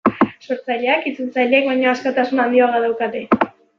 Sortzaileak itzultzaileek baino askatasun handiagoa daukate.